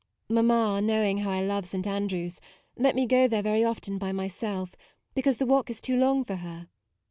Mamma, knowing how I love St. Andrew's, let me go there very often by myself, because the walk is too long for her.